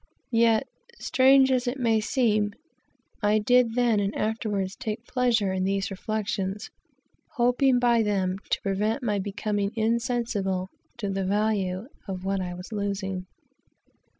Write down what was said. Yet, strange as it may seem, I did then and afterwards take pleasure in these reflections, hoping by them to prevent my becoming insensible to the value of what I was leaving.